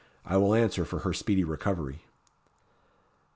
"I will answer for her speedy recovery."